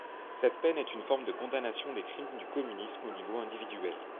Cette peine est une forme de condamnation des crimes du communisme au niveau individuel.